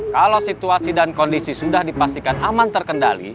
kalau situasi dan kondisi sudah dipastikan aman terkendali